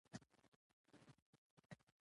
او د لا برياليتوبونو هيله ورته کوم.